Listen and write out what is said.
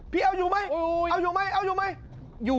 พี่เอาอยู่มั้ย